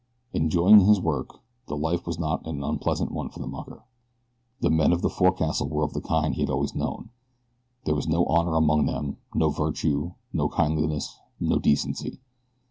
Enjoying his work, the life was not an unpleasant one for the mucker. The men of the forecastle were of the kind he had always known there was no honor among them, no virtue, no kindliness, no decency.